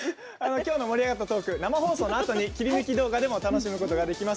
今日の盛り上がったトークは生放送のあとに切り抜き動画で楽しむことができます。